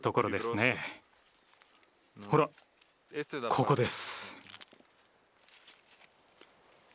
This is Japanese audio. ほらここです。